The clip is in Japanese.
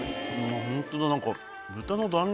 ホントだ何か。